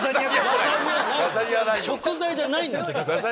食材じゃないんだって！